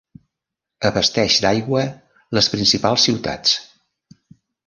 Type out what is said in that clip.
Abasteix d'aigua les principals ciutats.